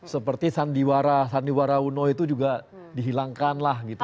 seperti sandiwara sandiwara uno itu juga dihilangkan lah gitu